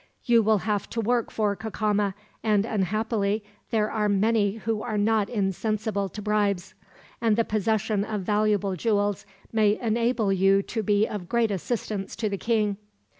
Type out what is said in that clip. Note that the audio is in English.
You will have to work for Cacama, and unhappily there are many who are not insensible to bribes; and the possession of valuable jewels may enable you to be of great assistance to the king."